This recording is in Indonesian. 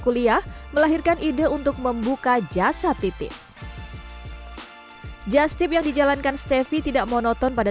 kriah melahirkan ide untuk membuka jasa titip jastip yang dijalankan steffi tidak monoton pada